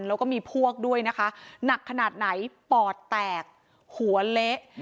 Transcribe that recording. แล้วก็มีพวกด้วยนะคะหนักขนาดไหนปอดแตกหัวเละ